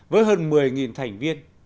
với hơn một mươi thành viên